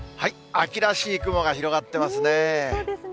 秋らしい雲が広がってますね。